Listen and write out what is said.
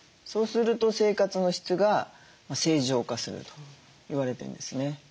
そうすると生活の質が正常化すると言われてるんですね。